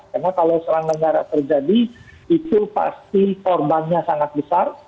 karena kalau serangan darat terjadi itu pasti korbannya sangat besar